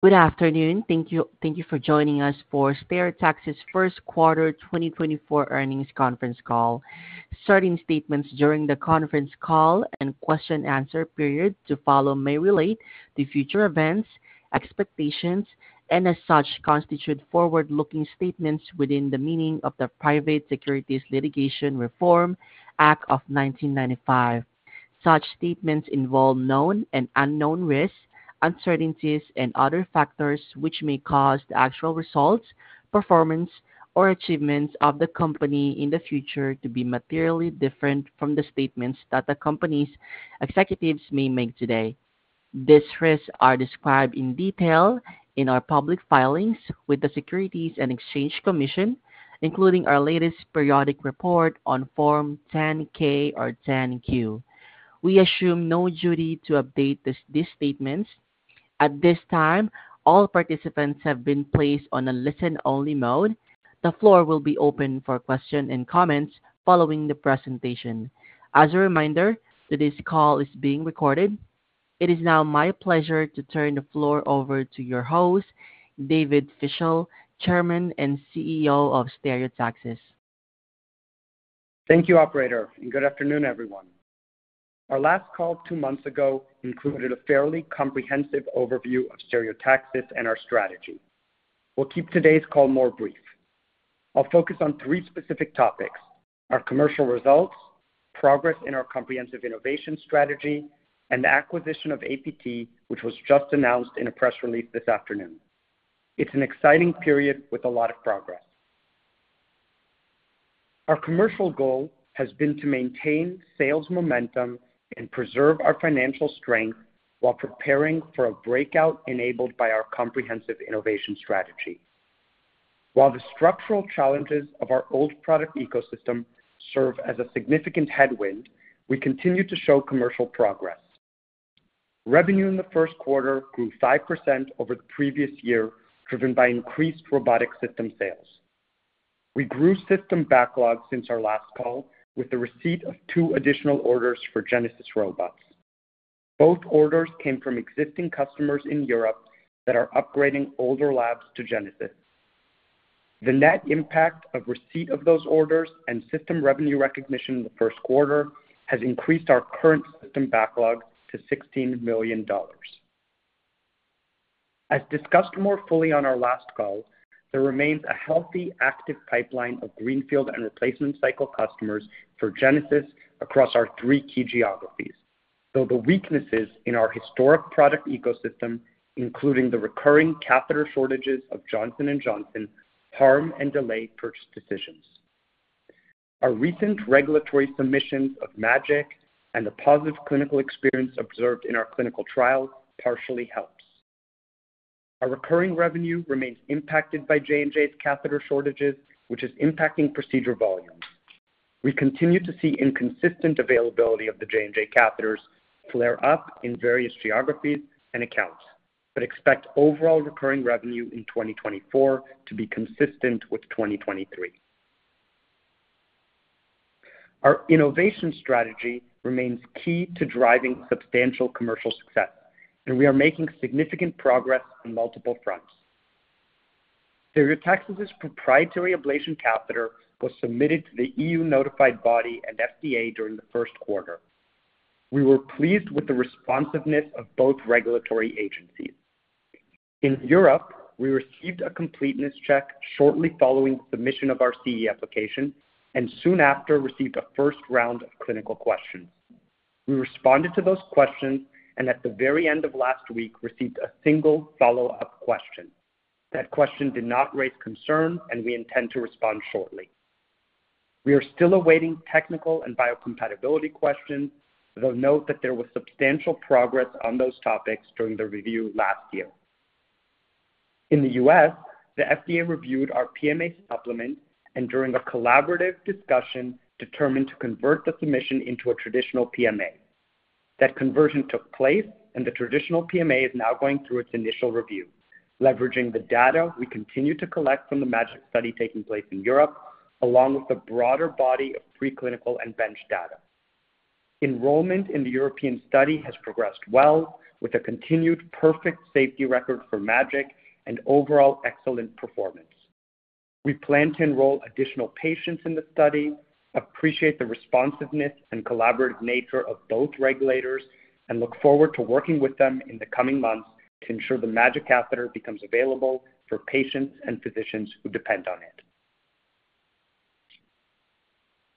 Good afternoon. Thank you, thank you for joining us for Stereotaxis's First Quarter 2024 Earnings Conference Call. Certain statements during the conference call and question answer period to follow may relate to future events, expectations, and as such, constitute forward-looking statements within the meaning of the Private Securities Litigation Reform Act of 1995. Such statements involve known and unknown risks, uncertainties, and other factors, which may cause the actual results, performance, or achievements of the company in the future to be materially different from the statements that the company's executives may make today. These risks are described in detail in our public filings with the Securities and Exchange Commission, including our latest periodic report on Form 10-K or 10-Q. We assume no duty to update this, these statements. At this time, all participants have been placed on a listen-only mode. The floor will be open for questions and comments following the presentation. As a reminder, today's call is being recorded. It is now my pleasure to turn the floor over to your host, David Fischel, Chairman and CEO of Stereotaxis. Thank you, operator, and good afternoon, everyone. Our last call two months ago included a fairly comprehensive overview of Stereotaxis and our strategy. We'll keep today's call more brief. I'll focus on three specific topics: our commercial results, progress in our comprehensive innovation strategy, and the acquisition of APT, which was just announced in a press release this afternoon. It's an exciting period with a lot of progress. Our commercial goal has been to maintain sales momentum and preserve our financial strength while preparing for a breakout enabled by our comprehensive innovation strategy. While the structural challenges of our old product ecosystem serve as a significant headwind, we continue to show commercial progress. Revenue in the first quarter grew 5% over the previous year, driven by increased robotic system sales. We grew system backlogs since our last call, with the receipt of two additional orders for Genesis Robots. Both orders came from existing customers in Europe that are upgrading older labs to Genesis. The net impact of receipt of those orders and system revenue recognition in the first quarter has increased our current system backlog to $16 million. As discussed more fully on our last call, there remains a healthy, active pipeline of greenfield and replacement cycle customers for Genesis across our three key geographies. Though the weaknesses in our historic product ecosystem, including the recurring catheter shortages of Johnson & Johnson, harm and delay purchase decisions. Our recent regulatory submissions of MAGiC and the positive clinical experience observed in our clinical trials partially helps. Our recurring revenue remains impacted by J&J's catheter shortages, which is impacting procedure volumes. We continue to see inconsistent availability of the J&J catheters flare up in various geographies and accounts, but expect overall recurring revenue in 2024 to be consistent with 2023. Our innovation strategy remains key to driving substantial commercial success, and we are making significant progress on multiple fronts. Stereotaxis' proprietary ablation catheter was submitted to the EU notified body and FDA during the first quarter. We were pleased with the responsiveness of both regulatory agencies. In Europe, we received a completeness check shortly following submission of our CE application and soon after received a first round of clinical questions. We responded to those questions and at the very end of last week, received a single follow-up question. That question did not raise concern, and we intend to respond shortly. We are still awaiting technical and biocompatibility questions, though note that there was substantial progress on those topics during the review last year. In the U.S., the FDA reviewed our PMA supplement and during a collaborative discussion, determined to convert the submission into a traditional PMA. That conversion took place, and the traditional PMA is now going through its initial review, leveraging the data we continue to collect from the MAGiC study taking place in Europe, along with the broader body of preclinical and bench data. Enrollment in the European study has progressed well, with a continued perfect safety record for MAGiC and overall excellent performance. We plan to enroll additional patients in the study, appreciate the responsiveness and collaborative nature of both regulators, and look forward to working with them in the coming months to ensure the MAGiC catheter becomes available for patients and physicians who depend on it.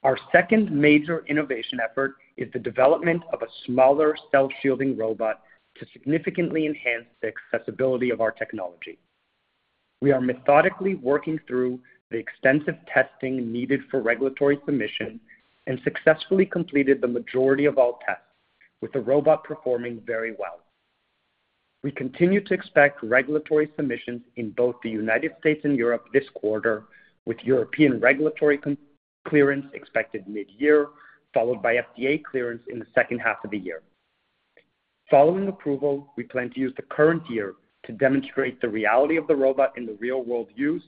Our second major innovation effort is the development of a smaller cell shielding robot to significantly enhance the accessibility of our technology. We are methodically working through the extensive testing needed for regulatory submission and successfully completed the majority of our tests, with the robot performing very well. We continue to expect regulatory submissions in both the United States and Europe this quarter, with European regulatory clearance expected mid-year, followed by FDA clearance in the second half of the year. Following approval, we plan to use the current year to demonstrate the reality of the robot in the real-world use,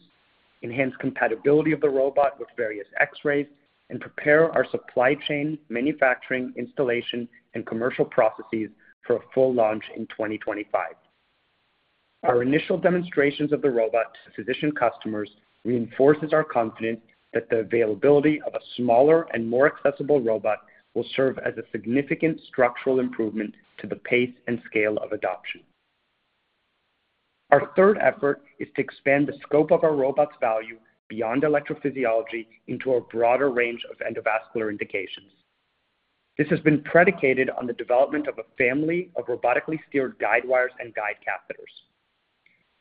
enhance compatibility of the robot with various X-rays, and prepare our supply chain, manufacturing, installation, and commercial processes for a full launch in 2025. Our initial demonstrations of the robot to physician customers reinforces our confidence that the availability of a smaller and more accessible robot will serve as a significant structural improvement to the pace and scale of adoption. Our third effort is to expand the scope of our robot's value beyond electrophysiology into a broader range of endovascular indications. This has been predicated on the development of a family of robotically steered guidewires and guide catheters.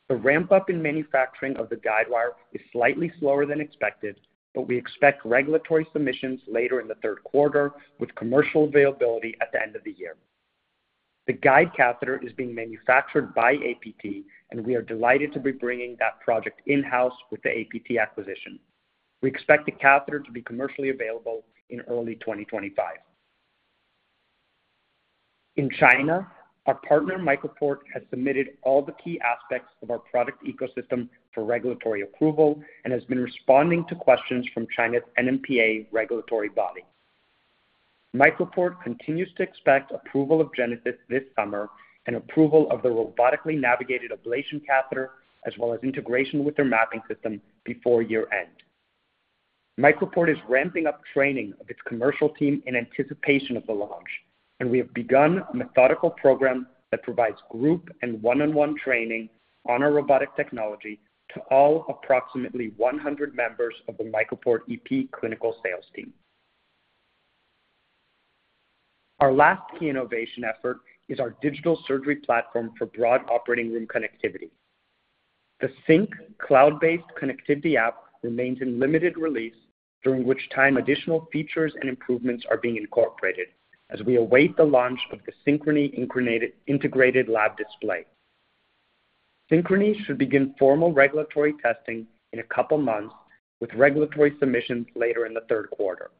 The ramp-up in manufacturing of the guidewire is slightly slower than expected, but we expect regulatory submissions later in the third quarter, with commercial availability at the end of the year. The guide catheter is being manufactured by APT, and we are delighted to be bringing that project in-house with the APT acquisition. We expect the catheter to be commercially available in early 2025. In China, our partner, MicroPort, has submitted all the key aspects of our product ecosystem for regulatory approval and has been responding to questions from China's NMPA regulatory body. MicroPort continues to expect approval of Genesis this summer and approval of the robotically navigated ablation catheter, as well as integration with their mapping system before year-end. MicroPort is ramping up training of its commercial team in anticipation of the launch, and we have begun a methodical program that provides group and one-on-one training on our robotic technology to all approximately 100 members of the MicroPort EP clinical sales team. Our last key innovation effort is our digital surgery platform for broad operating room connectivity. The Sync cloud-based connectivity app remains in limited release, during which time additional features and improvements are being incorporated as we await the launch of the Synchrony integrated lab display. Synchrony should begin formal regulatory testing in a couple of months, with regulatory submissions later in the third quarter.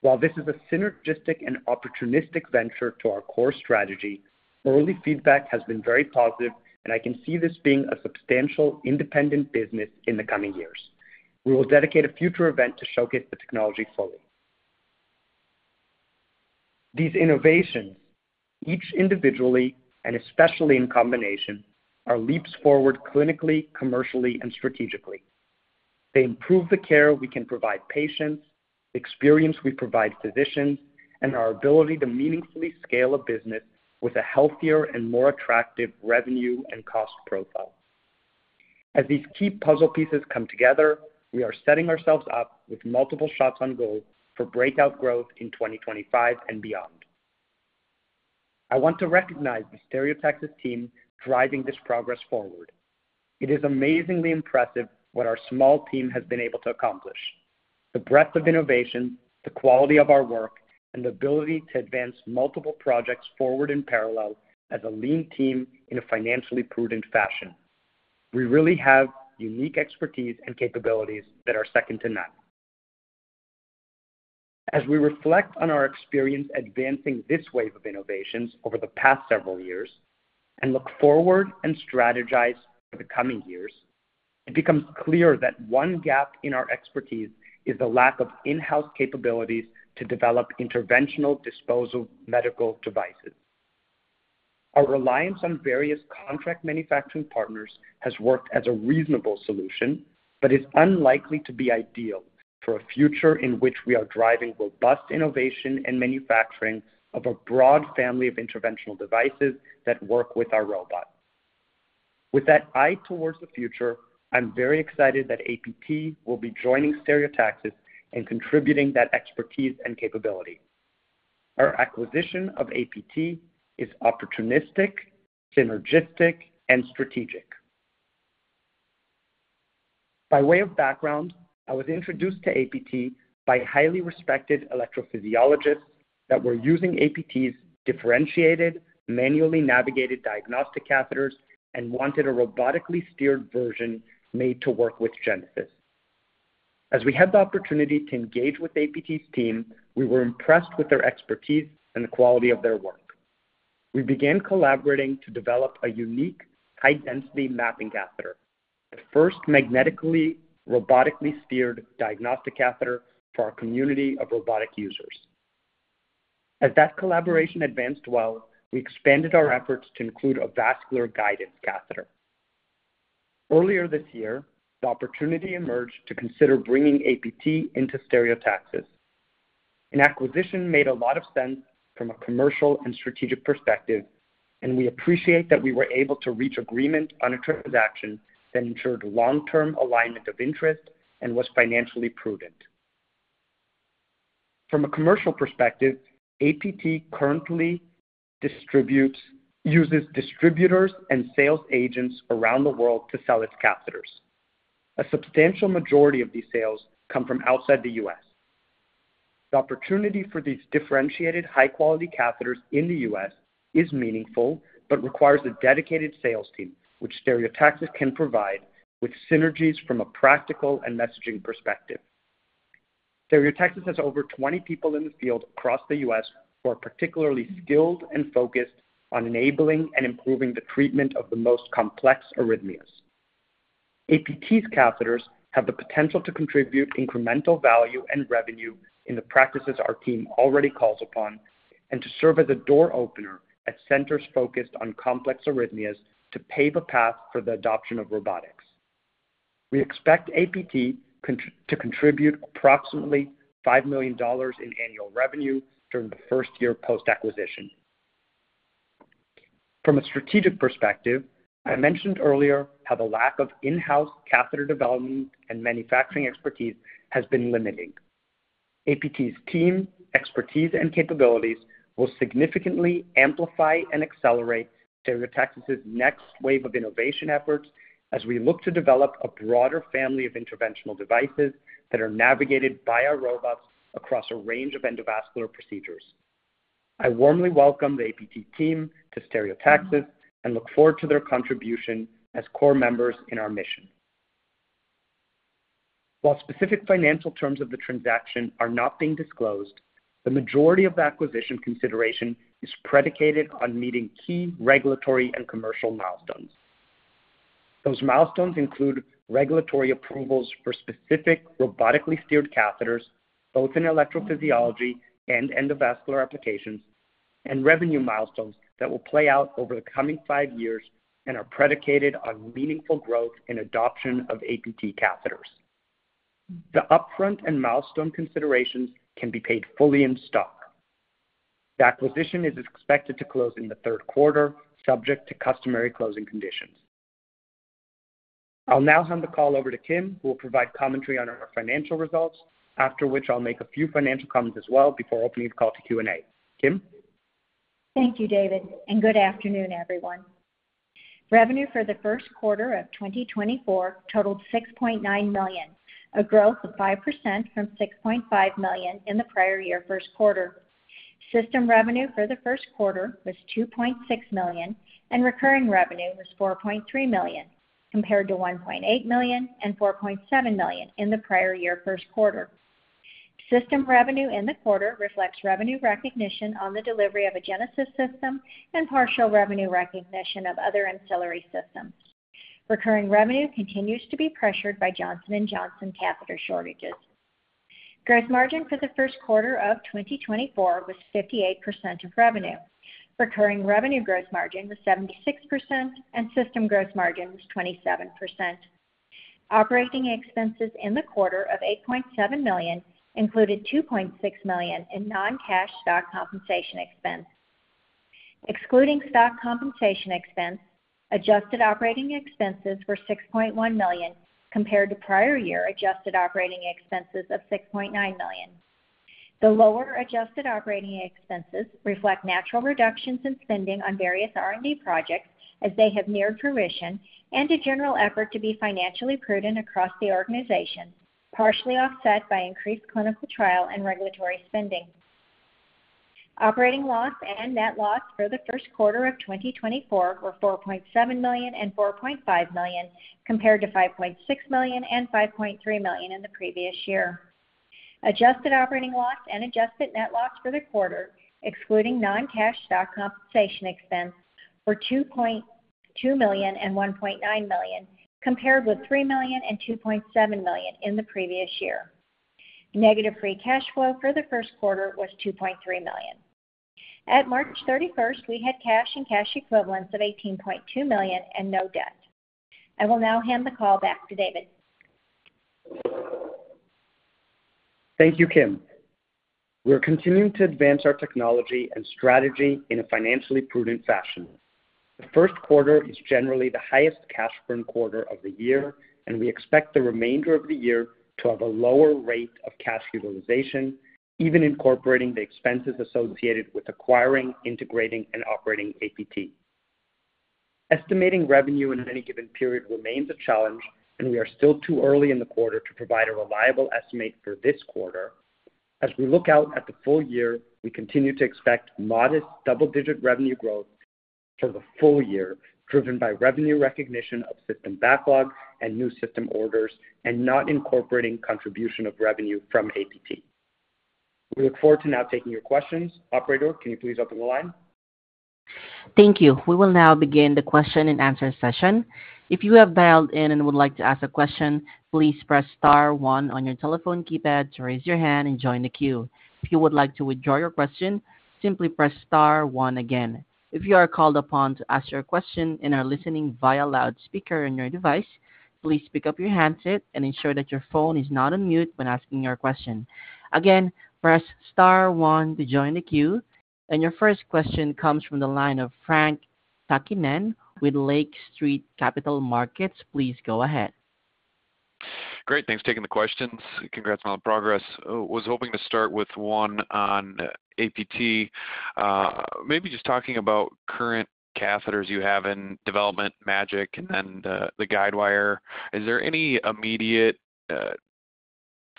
While this is a synergistic and opportunistic venture to our core strategy, early feedback has been very positive, and I can see this being a substantial independent business in the coming years. We will dedicate a future event to showcase the technology fully. These innovations, each individually and especially in combination, are leaps forward clinically, commercially, and strategically. They improve the care we can provide patients, experience we provide physicians, and our ability to meaningfully scale a business with a healthier and more attractive revenue and cost profile. As these key puzzle pieces come together, we are setting ourselves up with multiple shots on goal for breakout growth in 2025 and beyond. I want to recognize the Stereotaxis team driving this progress forward. It is amazingly impressive what our small team has been able to accomplish. The breadth of innovation, the quality of our work, and the ability to advance multiple projects forward in parallel as a lean team in a financially prudent fashion. We really have unique expertise and capabilities that are second to none. As we reflect on our experience advancing this wave of innovations over the past several years and look forward and strategize for the coming years, it becomes clear that one gap in our expertise is the lack of in-house capabilities to develop interventional disposable medical devices. Our reliance on various contract manufacturing partners has worked as a reasonable solution, but is unlikely to be ideal for a future in which we are driving robust innovation and manufacturing of a broad family of interventional devices that work with our robot. With that eye towards the future, I'm very excited that APT will be joining Stereotaxis and contributing that expertise and capability. Our acquisition of APT is opportunistic, synergistic, and strategic. By way of background, I was introduced to APT by highly respected electrophysiologists that were using APT's differentiated, manually navigated diagnostic catheters and wanted a robotically steered version made to work with Genesis. As we had the opportunity to engage with APT's team, we were impressed with their expertise and the quality of their work. We began collaborating to develop a unique, high-density mapping catheter, the first magnetically, robotically steered diagnostic catheter for our community of robotic users. As that collaboration advanced well, we expanded our efforts to include a vascular guidance catheter. Earlier this year, the opportunity emerged to consider bringing APT into Stereotaxis. An acquisition made a lot of sense from a commercial and strategic perspective, and we appreciate that we were able to reach agreement on a transaction that ensured long-term alignment of interest and was financially prudent. From a commercial perspective, APT currently uses distributors and sales agents around the world to sell its catheters. A substantial majority of these sales come from outside the U.S. The opportunity for these differentiated, high-quality catheters in the U.S. is meaningful but requires a dedicated sales team, which Stereotaxis can provide, with synergies from a practical and messaging perspective. Stereotaxis has over 20 people in the field across the U.S. who are particularly skilled and focused on enabling and improving the treatment of the most complex arrhythmias. APT's catheters have the potential to contribute incremental value and revenue in the practices our team already calls upon, and to serve as a door opener at centers focused on complex arrhythmias to pave a path for the adoption of robotics. We expect APT to contribute approximately $5 million in annual revenue during the first year post-acquisition. From a strategic perspective, I mentioned earlier how the lack of in-house catheter development and manufacturing expertise has been limiting. APT's team, expertise, and capabilities will significantly amplify and accelerate Stereotaxis' next wave of innovation efforts as we look to develop a broader family of interventional devices that are navigated by our robots across a range of endovascular procedures. I warmly welcome the APT team to Stereotaxis and look forward to their contribution as core members in our mission. While specific financial terms of the transaction are not being disclosed, the majority of the acquisition consideration is predicated on meeting key regulatory and commercial milestones. Those milestones include regulatory approvals for specific robotically steered catheters, both in electrophysiology and endovascular applications, and revenue milestones that will play out over the coming five years and are predicated on meaningful growth and adoption of APT catheters. The upfront and milestone considerations can be paid fully in stock. The acquisition is expected to close in the third quarter, subject to customary closing conditions. I'll now hand the call over to Kim, who will provide commentary on our financial results, after which I'll make a few financial comments as well before opening the call to Q&A. Kim? Thank you, David, and good afternoon, everyone. Revenue for the first quarter of 2024 totaled $6.9 million, a growth of 5% from $6.5 million in the prior year first quarter. System revenue for the first quarter was $2.6 million, and recurring revenue was $4.3 million, compared to $1.8 million and $4.7 million in the prior year first quarter. System revenue in the quarter reflects revenue recognition on the delivery of a Genesis system and partial revenue recognition of other ancillary systems. Recurring revenue continues to be pressured by Johnson & Johnson catheter shortages. Gross margin for the first quarter of 2024 was 58% of revenue. Recurring revenue gross margin was 76%, and system gross margin was 27%. Operating expenses in the quarter of $8.7 million included $2.6 million in non-cash stock compensation expense. Excluding stock compensation expense, adjusted operating expenses were $6.1 million, compared to prior year adjusted operating expenses of $6.9 million. The lower adjusted operating expenses reflect natural reductions in spending on various R&D projects as they have neared permission, and a general effort to be financially prudent across the organization, partially offset by increased clinical trial and regulatory spending. Operating loss and net loss for the first quarter of 2024 were $4.7 million and $4.5 million, compared to $5.6 million and $5.3 million in the previous year. Adjusted operating loss and adjusted net loss for the quarter, excluding non-cash stock compensation expense, were $2.2 million and $1.9 million, compared with $3 million and $2.7 million in the previous year. Negative free cash flow for the first quarter was $2.3 million. At March 31, we had cash and cash equivalents of $18.2 million and no debt. I will now hand the call back to David. Thank you, Kim. We're continuing to advance our technology and strategy in a financially prudent fashion. The first quarter is generally the highest cash burn quarter of the year, and we expect the remainder of the year to have a lower rate of cash utilization, even incorporating the expenses associated with acquiring, integrating, and operating APT. Estimating revenue in any given period remains a challenge, and we are still too early in the quarter to provide a reliable estimate for this quarter. As we look out at the full year, we continue to expect modest double-digit revenue growth for the full year, driven by revenue recognition of system backlog and new system orders, and not incorporating contribution of revenue from APT. We look forward to now taking your questions. Operator, can you please open the line? Thank you. We will now begin the question-and-answer session. If you have dialed in and would like to ask a question, please press star one on your telephone keypad to raise your hand and join the queue. If you would like to withdraw your question, simply press star one again. If you are called upon to ask your question and are listening via loudspeaker on your device, please pick up your handset and ensure that your phone is not on mute when asking your question. Again, press star one to join the queue. Your first question comes from the line of Frank Takkinen with Lake Street Capital Markets. Please go ahead. Great, thanks for taking the questions. Congrats on all the progress. Was hoping to start with one on APT. Maybe just talking about current catheters you have in development, MAGiC, and then the guidewire. Is there any immediate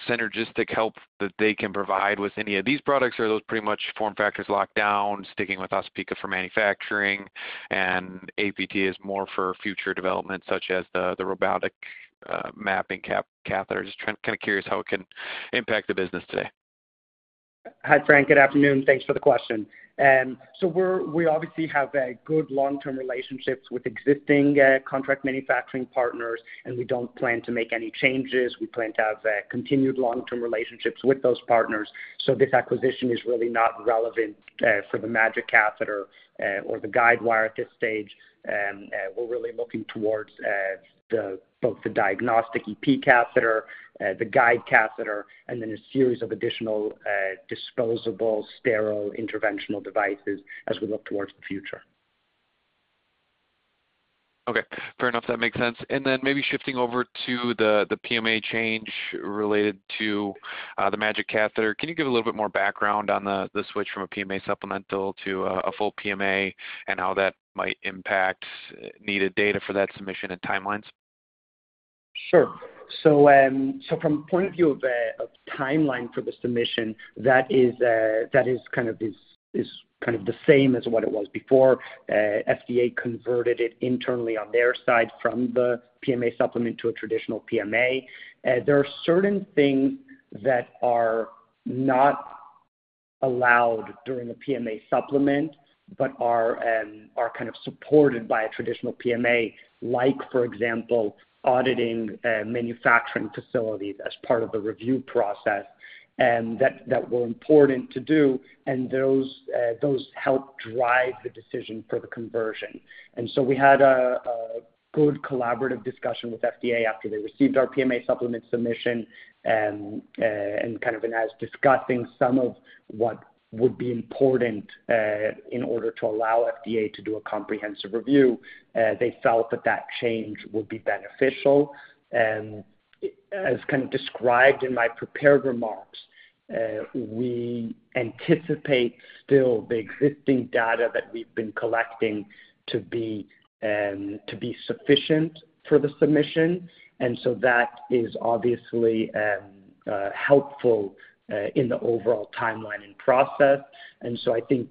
synergistic help that they can provide with any of these products? Or are those pretty much form factors locked down, sticking with Osypka for manufacturing, and APT is more for future development, such as the robotic mapping catheters? Kind of curious how it can impact the business today. Hi, Frank. Good afternoon. Thanks for the question. And so we're we obviously have good long-term relationships with existing contract manufacturing partners, and we don't plan to make any changes. We plan to have continued long-term relationships with those partners. So this acquisition is really not relevant for the MAGiC catheter or the guidewire at this stage. We're really looking towards both the diagnostic EP catheter, the guide catheter, and then a series of additional disposable, sterile, interventional devices as we look towards the future. Okay, fair enough. That makes sense. And then maybe shifting over to the PMA change related to the MAGiC catheter. Can you give a little bit more background on the switch from a PMA supplemental to a full PMA, and how that might impact needed data for that submission and timelines? Sure. So, from the point of view of timeline for the submission, that is kind of the same as what it was before. FDA converted it internally on their side from the PMA supplement to a traditional PMA. There are certain things that are not allowed during a PMA supplement, but are kind of supported by a traditional PMA, like, for example, auditing manufacturing facilities as part of the review process, and that were important to do, and those help drive the decision for the conversion. And so we had a good collaborative discussion with FDA after they received our PMA supplement submission, and kind of as discussing some of what would be important, in order to allow FDA to do a comprehensive review, they felt that that change would be beneficial. And as kind of described in my prepared remarks, we anticipate still the existing data that we've been collecting to be sufficient for the submission, and so that is obviously helpful in the overall timeline and process. I think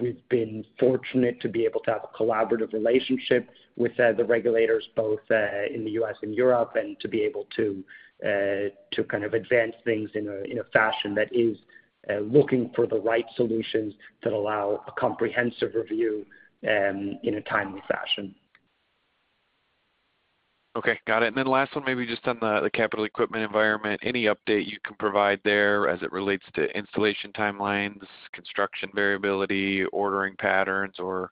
we've been fortunate to be able to have a collaborative relationship with the regulators, both in the U.S. and Europe, and to be able to kind of advance things in a fashion that is looking for the right solutions that allow a comprehensive review in a timely fashion. Okay, got it. And then last one, maybe just on the, the capital equipment environment. Any update you can provide there as it relates to installation timelines, construction variability, ordering patterns, or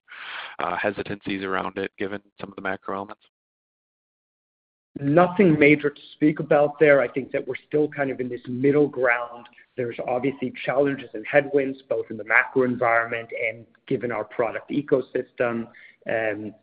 hesitancies around it, given some of the macro elements? Nothing major to speak about there. I think that we're still kind of in this middle ground. There's obviously challenges and headwinds, both in the macro environment and given our product ecosystem.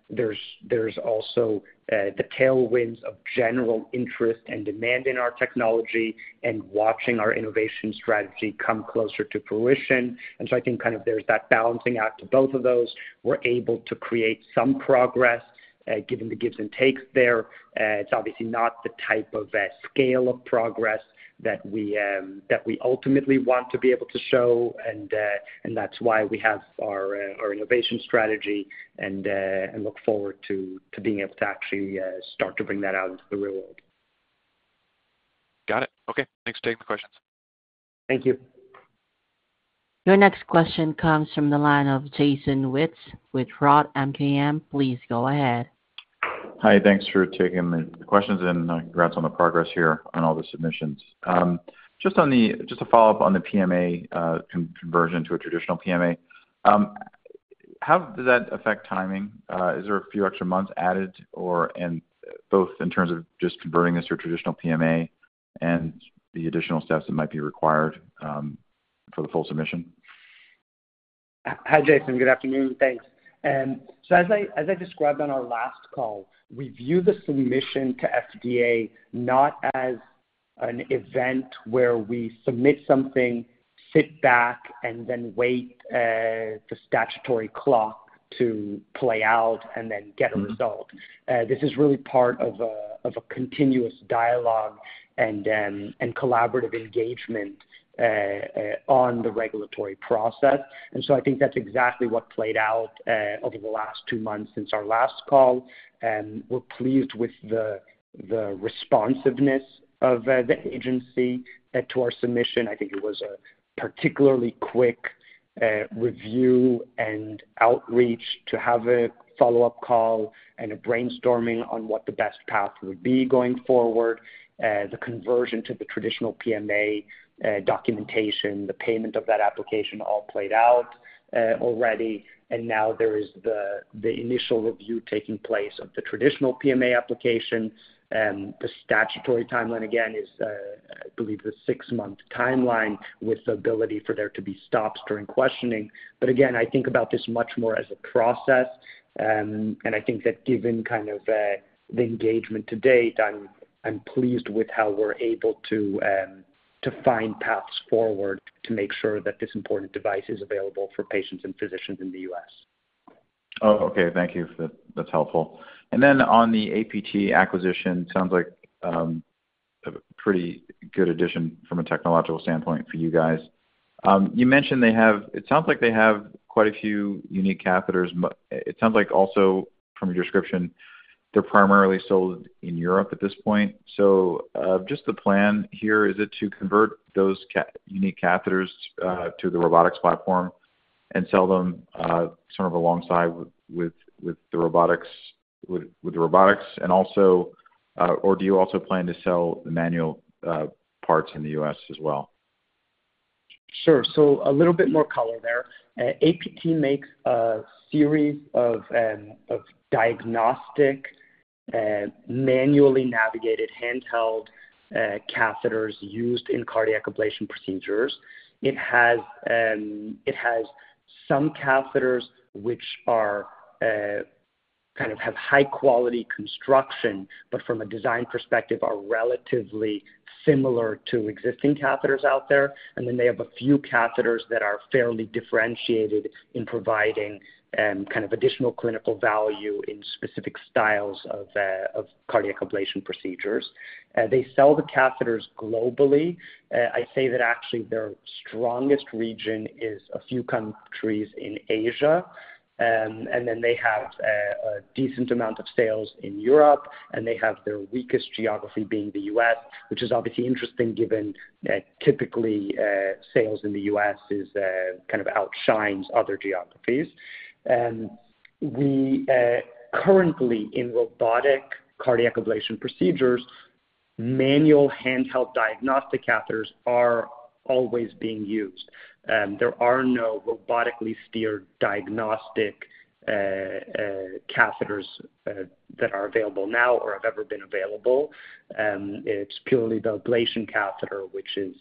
There's also the tailwinds of general interest and demand in our technology and watching our innovation strategy come closer to fruition. And so I think kind of there's that balancing out to both of those. We're able to create some progress given the gives and takes there. It's obviously not the type of scale of progress that we that we ultimately want to be able to show, and that's why we have our our innovation strategy and look forward to to being able to actually start to bring that out into the real world. Got it. Okay. Thanks for taking the questions. Thank you. Your next question comes from the line of Jason Wittes with Roth MKM. Please go ahead. Hi, thanks for taking the questions, and congrats on the progress here on all the submissions. Just on the, just to follow up on the PMA conversion to a traditional PMA. How does that affect timing? Is there a few extra months added, or—and both in terms of just converting this to a traditional PMA and the additional steps that might be required for the full submission? Hi, Jason, good afternoon. Thanks. So as I described on our last call, we view the submission to FDA not as an event where we submit something, sit back, and then wait the statutory clock to play out and then get a result. This is really part of a continuous dialogue and collaborative engagement on the regulatory process. So I think that's exactly what played out over the last two months since our last call. We're pleased with the responsiveness of the agency to our submission. I think it was a particularly quick review and outreach to have a follow-up call and a brainstorming on what the best path would be going forward. The conversion to the traditional PMA documentation, the payment of that application all played out already. And now there is the initial review taking place of the traditional PMA application, and the statutory timeline, again, is, I believe, the six-month timeline, with the ability for there to be stops during questioning. But again, I think about this much more as a process, and I think that given kind of, the engagement to date, I'm pleased with how we're able to, to find paths forward to make sure that this important device is available for patients and physicians in the U.S. Oh, okay. Thank you for that. That's helpful. And then on the APT acquisition, sounds like a pretty good addition from a technological standpoint for you guys. You mentioned they have, it sounds like they have quite a few unique catheters, but it sounds like also from your description, they're primarily sold in Europe at this point. So, just the plan here, is it to convert those unique catheters to the robotics platform and sell them sort of alongside with the robotics? And also, or do you also plan to sell the manual parts in the U.S. as well? Sure. So a little bit more color there. APT makes a series of diagnostic and manually navigated handheld catheters used in cardiac ablation procedures. It has some catheters which are kind of have high quality construction, but from a design perspective, are relatively similar to existing catheters out there. And then they have a few catheters that are fairly differentiated in providing kind of additional clinical value in specific styles of cardiac ablation procedures. They sell the catheters globally. I'd say that actually their strongest region is a few countries in Asia. And then they have a decent amount of sales in Europe, and they have their weakest geography being the U.S., which is obviously interesting, given that typically sales in the U.S. is kind of outshines other geographies. And the, currently, in robotic cardiac ablation procedures, manual handheld diagnostic catheters are always being used. There are no robotically steered diagnostic catheters that are available now or have ever been available. It's purely the ablation catheter, which is,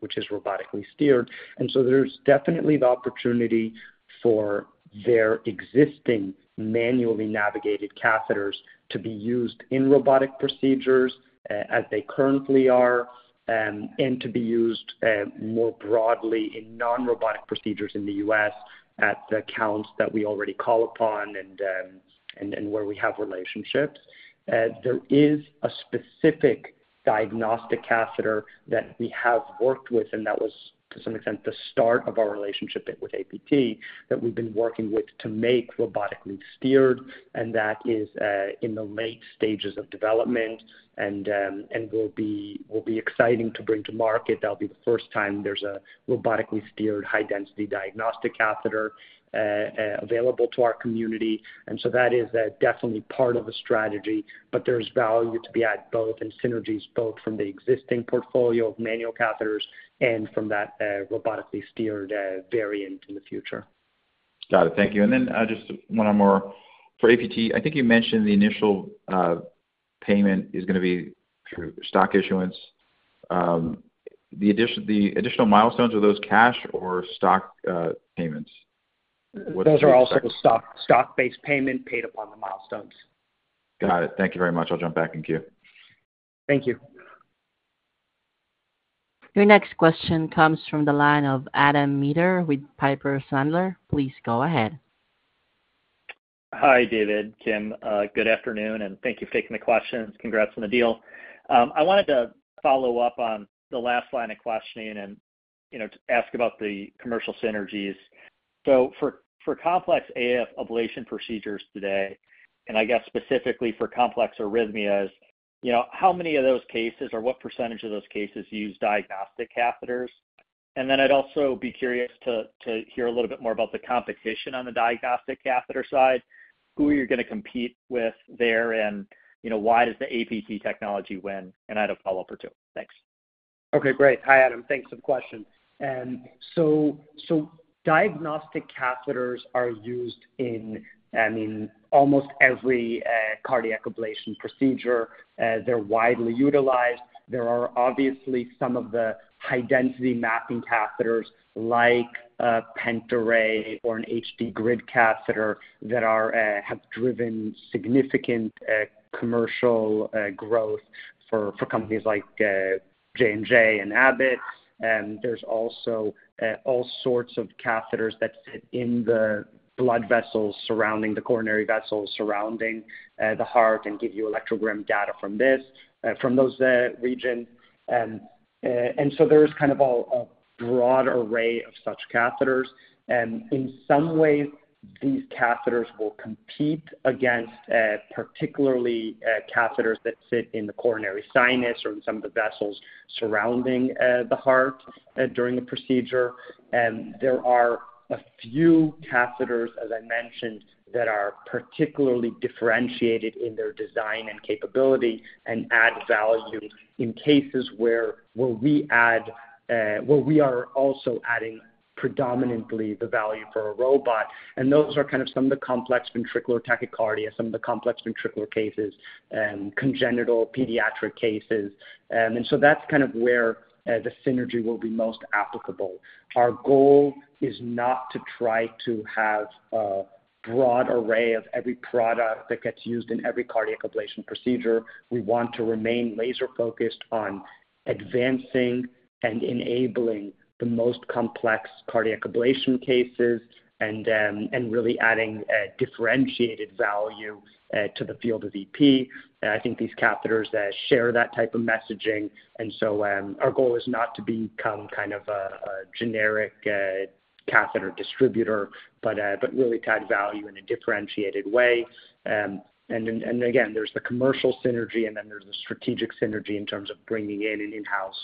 which is robotically steered. And so there's definitely the opportunity for their existing manually navigated catheters to be used in robotic procedures, as they currently are, and to be used, more broadly in non-robotic procedures in the U.S. at the accounts that we already call upon and, and, and where we have relationships. There is a specific diagnostic catheter that we have worked with, and that was, to some extent, the start of our relationship with APT, that we've been working with to make robotically steered, and that is, in the late stages of development. And will be exciting to bring to market. That'll be the first time there's a robotically steered high density diagnostic catheter available to our community. And so that is definitely part of the strategy, but there's value to be at both and synergies, both from the existing portfolio of manual catheters and from that robotically steered variant in the future. Got it. Thank you. And then, just one or more. For APT, I think you mentioned the initial payment is gonna be through stock issuance. The addition, the additional milestones, are those cash or stock payments? Those are all stock, stock-based payment paid upon the milestones. Got it. Thank you very much. I'll jump back in queue. Thank you. Your next question comes from the line of Adam Maeder with Piper Sandler. Please go ahead. Hi, David, Kim. Good afternoon, and thank you for taking the questions. Congrats on the deal. I wanted to follow up on the last line of questioning and, you know, to ask about the commercial synergies. So for complex AF ablation procedures today, and I guess specifically for complex arrhythmias, you know, how many of those cases or what percentage of those cases use diagnostic catheters? And then I'd also be curious to hear a little bit more about the competition on the diagnostic catheter side, who you're gonna compete with there, and, you know, why does the APT technology win? And I had a follow-up or two. Thanks. Okay, great. Hi, Adam. Thanks for the question. So, diagnostic catheters are used in, I mean, almost every cardiac ablation procedure. They're widely utilized. There are obviously some of the high-density mapping catheters, like, PentaRay or an HD Grid catheter, that have driven significant commercial growth for companies like, J&J and Abbott. There's also all sorts of catheters that sit in the blood vessels surrounding the coronary vessels, surrounding the heart, and give you electrogram data from those region. And so there's kind of a broad array of such catheters. And in some ways, these catheters will compete against, particularly, catheters that sit in the coronary sinus or in some of the vessels surrounding the heart during the procedure. There are a few catheters, as I mentioned, that are particularly differentiated in their design and capability and add value in cases where we are also adding predominantly the value for a robot. And those are kind of some of the complex ventricular tachycardia, some of the complex ventricular cases, congenital pediatric cases. And so that's kind of where the synergy will be most applicable. Our goal is not to try to have a broad array of every product that gets used in every cardiac ablation procedure. We want to remain laser focused on advancing and enabling the most complex cardiac ablation cases and really adding a differentiated value to the field of EP. And I think these catheters share that type of messaging. And so, our goal is not to become kind of a generic catheter distributor, but really add value in a differentiated way. And again, there's the commercial synergy, and then there's the strategic synergy in terms of bringing in an in-house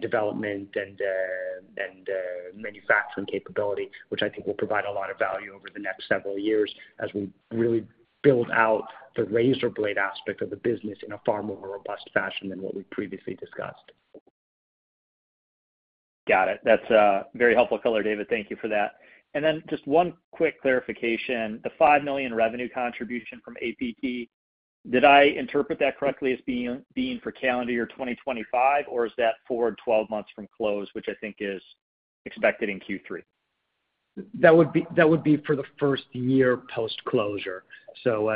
development and manufacturing capability, which I think will provide a lot of value over the next several years as we really build out the razor blade aspect of the business in a far more robust fashion than what we've previously discussed. Got it. That's a very helpful color, David. Thank you for that. And then just one quick clarification. The $5 million revenue contribution from APT, did I interpret that correctly as being for calendar year 2025, or is that forward 12 months from close, which I think is expected in Q3? That would be, that would be for the first year post-closure. So,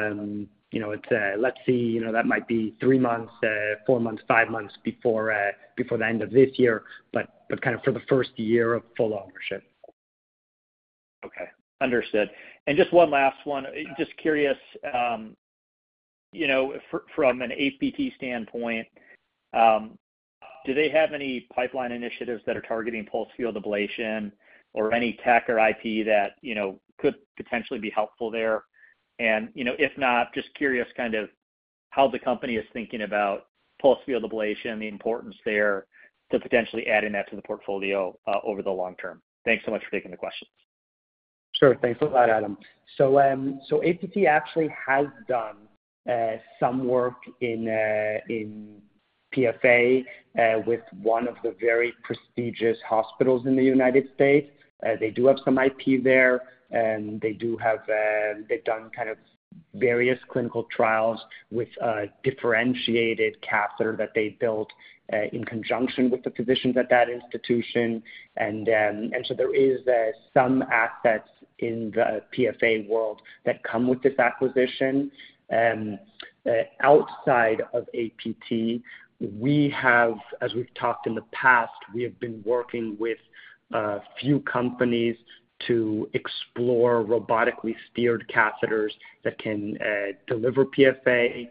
you know, it's, let's see, you know, that might be 3 months, 4 months, 5 months before, before the end of this year. But, but kind of for the first year of full ownership. Okay, understood. Just one last one. Just curious, you know, from an APT standpoint, do they have any pipeline initiatives that are targeting pulsed field ablation or any tech or IP that, you know, could potentially be helpful there? And, you know, if not, just curious kind of how the company is thinking about pulsed field ablation, the importance there to potentially adding that to the portfolio, over the long term. Thanks so much for taking the questions. Sure. Thanks a lot, Adam. So, APT actually has done some work in PFA with one of the very prestigious hospitals in the United States. They do have some IP there, and they do have, they've done kind of various clinical trials with a differentiated catheter that they built in conjunction with the physicians at that institution. And so there is some assets in the PFA world that come with this acquisition. Outside of APT, we have, as we've talked in the past, we have been working with a few companies to explore robotically steered catheters that can deliver PFA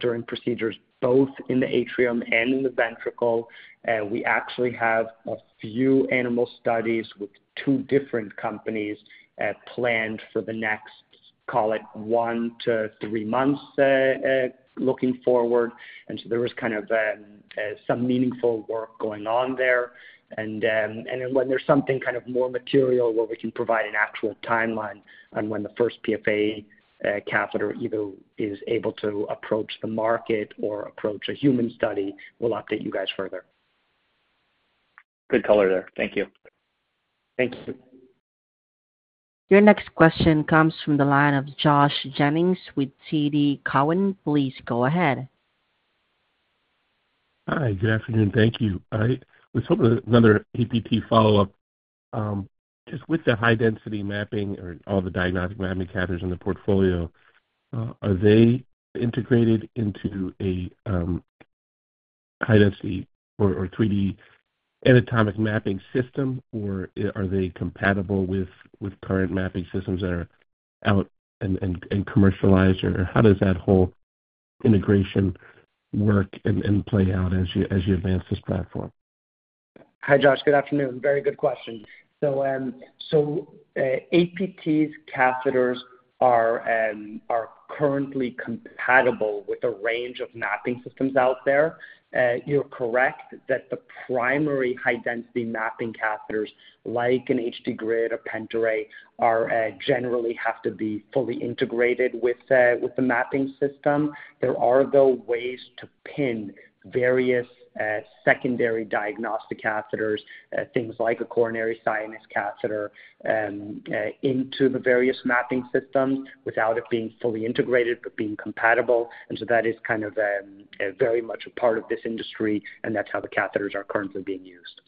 during procedures, both in the atrium and in the ventricle. We actually have a few animal studies with two different companies planned for the next, call it, 1 month-3 months looking forward. And so there is kind of some meaningful work going on there. And when there's something kind of more material where we can provide an actual timeline on when the first PFA catheter either is able to approach the market or approach a human study, we'll update you guys further. Good color there. Thank you. Thank you. Your next question comes from the line of Josh Jennings with TD Cowen. Please go ahead. Hi, good afternoon. Thank you. I was hoping another APT follow-up. Just with the high density mapping or all the diagnostic mapping catheters in the portfolio, are they integrated into a high density or three-D anatomic mapping system, or are they compatible with current mapping systems that are out and commercialized? Or how does that whole integration work and play out as you advance this platform? Hi, Josh, good afternoon. Very good question. So, APT's catheters are currently compatible with a range of mapping systems out there. You're correct that the primary high density mapping catheters, like an HD grid or PentaRay, are generally have to be fully integrated with the mapping system. There are, though, ways to pin various secondary diagnostic catheters, things like a coronary sinus catheter, into the various mapping systems without it being fully integrated, but being compatible. And so that is kind of a very much a part of this industry, and that's how the catheters are currently being used.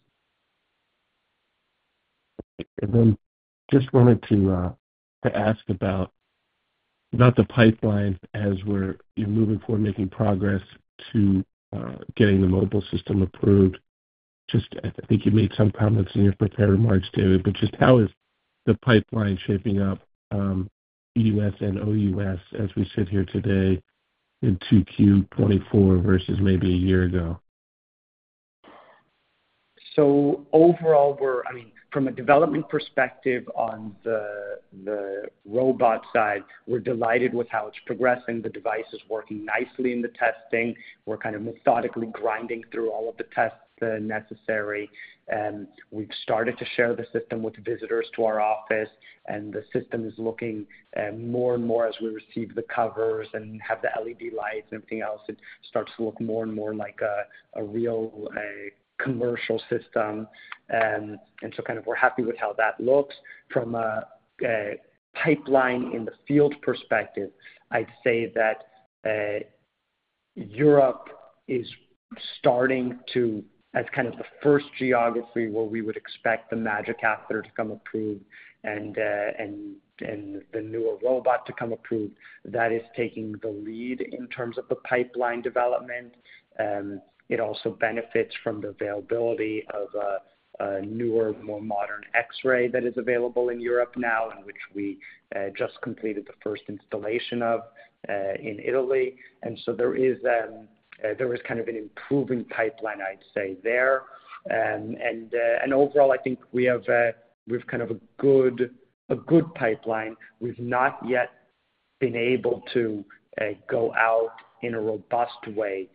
And then just wanted to ask about the pipeline as we're moving forward, making progress to getting the mobile system approved. Just I think you made some comments in your prepared remarks, David, but just how is the pipeline shaping up, EUS and OUS, as we sit here today in 2Q 2024 versus maybe a year ago? So overall, I mean, from a development perspective on the robot side, we're delighted with how it's progressing. The device is working nicely in the testing. We're kind of methodically grinding through all of the tests necessary, and we've started to share the system with visitors to our office, and the system is looking more and more as we receive the covers and have the LED lights and everything else. It starts to look more and more like a real commercial system. And so kind of we're happy with how that looks. From a pipeline in the field perspective, I'd say that Europe is starting to, as kind of the first geography, where we would expect the MAGiC catheter to come approved and the newer robot to come approved. That is taking the lead in terms of the pipeline development. It also benefits from the availability of a newer, more modern X-ray that is available in Europe now, and which we just completed the first installation of in Italy. And so there is kind of an improving pipeline, I'd say, there. And overall, I think we've kind of a good, a good pipeline. We've not yet been able to go out in a robust way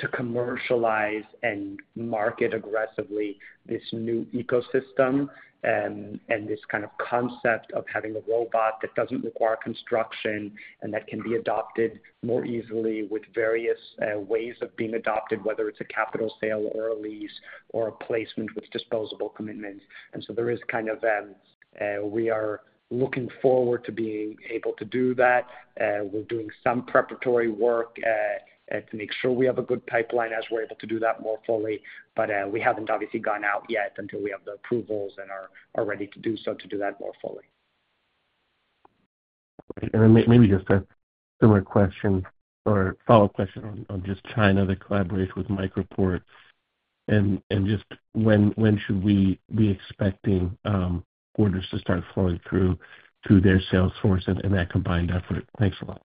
to commercialize and market aggressively this new ecosystem and this kind of concept of having a robot that doesn't require construction and that can be adopted more easily with various ways of being adopted, whether it's a capital sale or a lease or a placement with disposable commitments. And so there is kind of, we are looking forward to being able to do that. We're doing some preparatory work to make sure we have a good pipeline as we're able to do that more fully. But, we haven't obviously gone out yet until we have the approvals and are ready to do so, to do that more fully. And then maybe just a similar question or follow-up question on just China, the collaboration with MicroPort. And just when should we be expecting orders to start flowing through their sales force and that combined effort? Thanks a lot.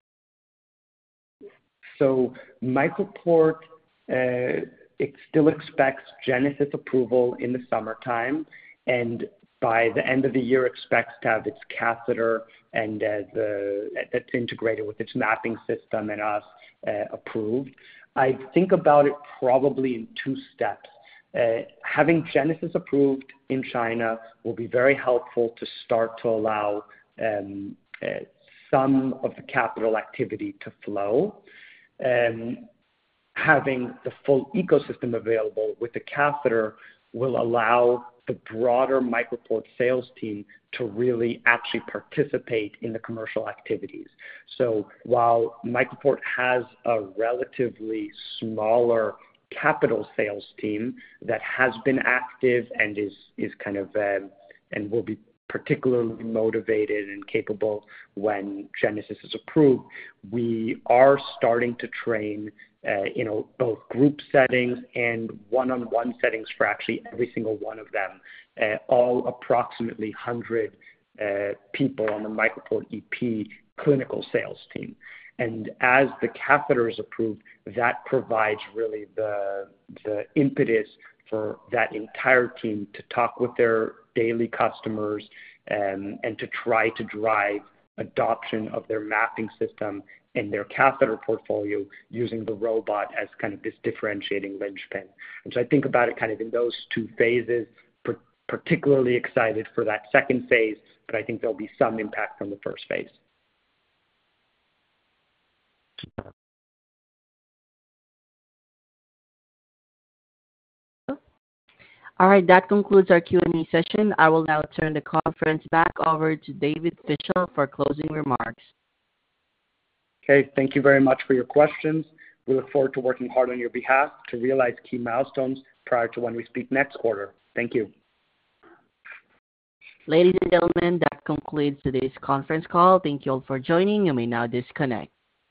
So MicroPort, it still expects Genesis approval in the summertime, and by the end of the year, expects to have its catheter and that's integrated with its mapping system and us, approved. I think about it probably in two steps. Having Genesis approved in China will be very helpful to start to allow some of the capital activity to flow. Having the full ecosystem available with the catheter will allow the broader MicroPort sales team to really actually participate in the commercial activities. So while MicroPort has a relatively smaller capital sales team that has been active and is kind of and will be particularly motivated and capable when Genesis is approved, we are starting to train you know both group settings and one-on-one settings for actually every single one of them. All approximately 100 people on the MicroPort EP clinical sales team. And as the catheter is approved, that provides really the impetus for that entire team to talk with their daily customers, and to try to drive adoption of their mapping system and their catheter portfolio using the robot as kind of this differentiating linchpin. And so I think about it kind of in those two phases, particularly excited for that second phase, but I think there'll be some impact from the first phase. All right, that concludes our Q&A session. I will now turn the conference back over to David Fischel for closing remarks. Okay, thank you very much for your questions. We look forward to working hard on your behalf to realize key milestones prior to when we speak next quarter. Thank you. Ladies and gentlemen, that concludes today's conference call. Thank you all for joining. You may now disconnect.